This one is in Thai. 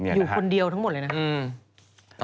อยู่คนเดียวทั้งหมดเลยนะ